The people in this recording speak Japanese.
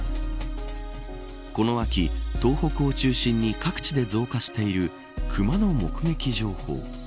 この秋、東北を中心に各地で増加しているクマの目撃情報。